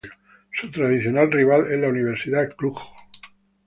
Su tradicional rival es el Universitatea Cluj.